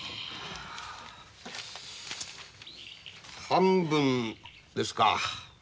半分ですか？